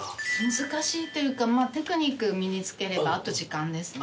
難しいというかテクニック身に付ければあと時間ですね。